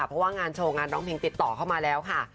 เพราะว่างานโชว์งานร้องเพลงติดต่อเข้ามาแล้วค่ะ